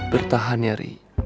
bertahan ya ri